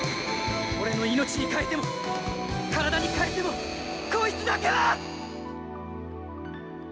俺の命に代えても、体に代えてもこいつだけは！